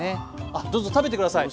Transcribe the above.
あどうぞ食べて下さい。